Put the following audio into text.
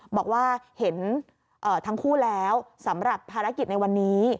บอกว่าเห็นทั้งคู่แล้วสำหรับภารกิจในวันนี้